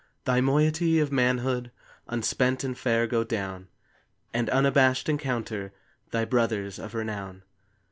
Thy moiety of manhood Unspent and fair, go down, And, unabashed, encounter Thy brothers of renown.